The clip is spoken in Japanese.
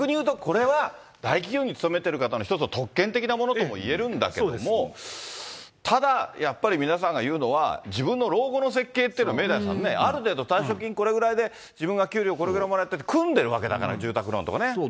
逆に言うと、これは大企業に勤めてる方の一つの特権的なものとも言えるんだけども、ただ、やっぱり皆さんが言うのは、自分の老後の設計っていうのを明大さんね、ある程度退職金これぐらいで、自分が給料これぐらいもらってて組んでるわけだから、住そう、